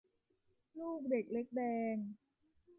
ลูกเด็กเล็กแดง